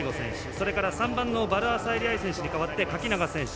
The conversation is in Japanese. それから、３番のヴァルアサエリ愛選手に代わって垣永選手。